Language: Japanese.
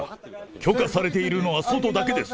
許可されているのは外だけです。